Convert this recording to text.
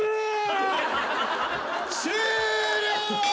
終了！